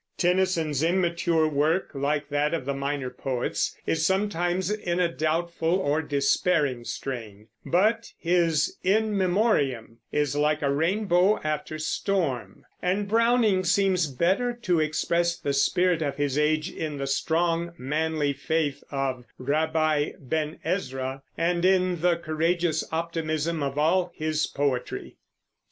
Tennyson's immature work, like that of the minor poets, is sometimes in a doubtful or despairing strain; but his In Memoriam is like the rainbow after storm; and Browning seems better to express the spirit of his age in the strong, manly faith of "Rabbi Ben Ezra," and in the courageous optimism of all his poetry.